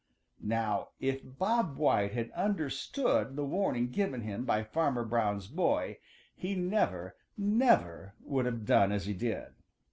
Now if Bob White had understood the warning given him by Farmer Brown's boy he never, never would have done as he did.